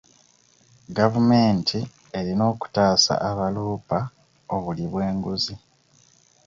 Gavumemti erina okutaasa abaloopa obuli bw'enguzi.